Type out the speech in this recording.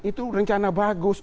itu rencana bagus